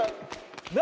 何？